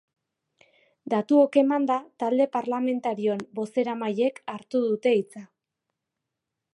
Datuok emanda, talde parlamentarioen bozeramaileek hartu dute hitza.